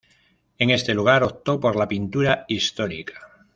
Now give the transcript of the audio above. En este lugar optó por la pintura histórica.